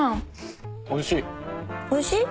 おいしい。